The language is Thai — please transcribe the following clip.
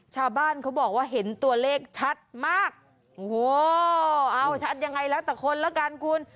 ชาวบ้านเขาบอกว่าเห็นตัวเลขชัดมากโอ้โหเอาชัดยังไงแล้วแต่คนละกันคุณ